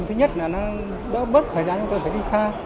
thứ nhất là nó bớt thời gian chúng tôi phải đi xa